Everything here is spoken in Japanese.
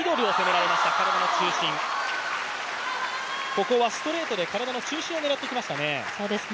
ここはストレートで体の中心を狙ってきましたね。